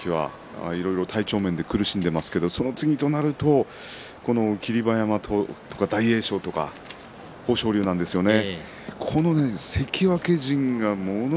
横綱大関はいろいろと体調面で苦しんでいますけれどもその次となると霧馬山、大栄翔とか豊昇龍なんですよね。